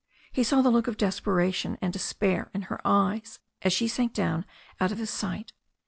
He saw the look of desperation and despair in her eyes as she sank down out of his sight.